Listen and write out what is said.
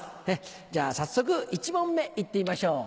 じゃあ早速１問目いってみましょう。